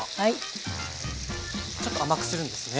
ちょっと甘くするんですね。